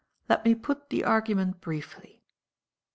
Let me put the argument briefly.